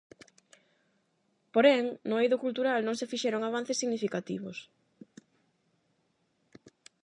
Porén, no eido cultural non se fixeron avances significativos.